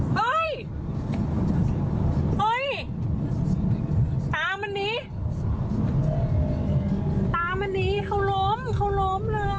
เฮ้ยตามันนี้ตามันนี้เขาล้มเขาล้มเลย